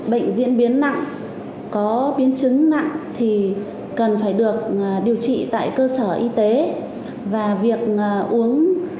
từng bước nâng cao ý thức chấp hành công tác tuyên truyền